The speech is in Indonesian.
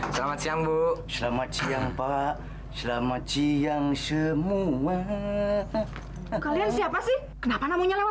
selamat siang bu selamat siang pak selamat siang semua kalian siapa sih kenapa namanya lewat